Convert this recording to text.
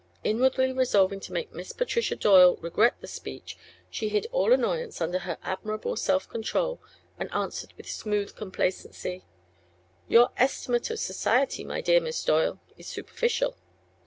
Inwardly resolving to make Miss Patricia Doyle regret the speech she hid all annoyance under her admirable self control and answered with smooth complacency: "Your estimate of society, my dear Miss Doyle, is superficial."